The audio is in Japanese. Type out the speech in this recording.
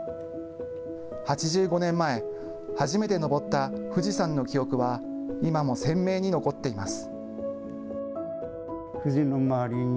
８５年前、初めて登った富士山の記憶は今も鮮明に残っています。